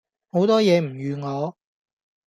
好多野唔預我